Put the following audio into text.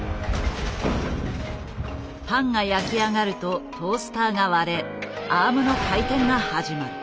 パンが焼き上がるとトースターが割れアームの回転が始まる。